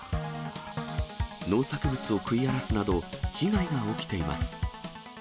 農作物を食い荒らすなど、被害が起きています。